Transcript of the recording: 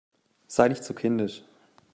Sei nicht so kindisch!